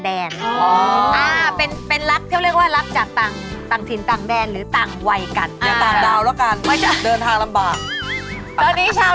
ตอนนี้ชาวธันวคมรออยู่ไม่ไหนถึงต๊าเขา